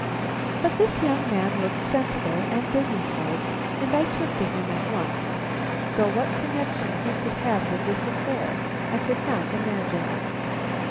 But this young man looked sensible and business like, and I took to him at once, though what connection he could have with this affair I could not imagine.